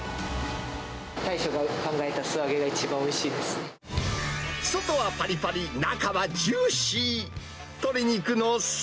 大将が考えた素揚げが一番お外はぱりぱり、中はジューシー。